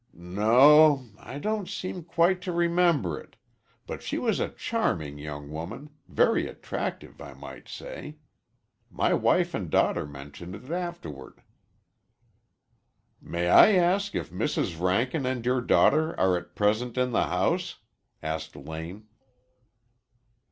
"No o. I don't seem quite to remember it. But she was a charming young woman very attractive, I might say. My wife and daughter mentioned it afterward." "May I ask if Mrs. Rankin and your daughter are at present in the house?" asked Lane.